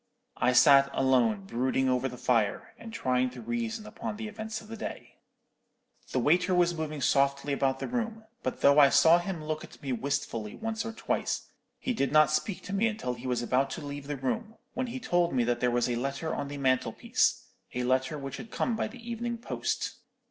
I sat alone brooding over the fire, and trying to reason upon the events of the day. "The waiter was moving softly about the room; but though I saw him look at me wistfully once or twice, he did not speak to me until he was about to leave the room, when he told me that there was a letter on the mantelpiece; a letter which had come by the evening post.